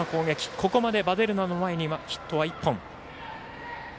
ここまでヴァデルナの前にヒットは１本。